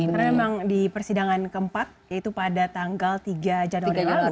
karena memang di persidangan keempat yaitu pada tanggal tiga januari lalu